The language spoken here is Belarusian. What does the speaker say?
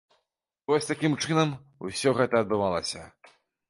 Вось такім чынам усё гэта адбывалася.